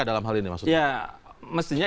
dalam hal ini maksudnya mestinya